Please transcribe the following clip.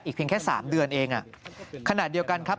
เพียงแค่สามเดือนเองอ่ะขณะเดียวกันครับ